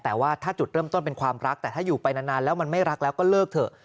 แต่ว่าถ้าจุดเริ่มต้นเป็นความรักแต่ถ้าอยู่ไปนานแล้วมันไม่รักแล้วก็เลิกเถอะ